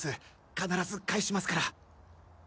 必ず返しますから。